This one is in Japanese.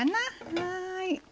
はい。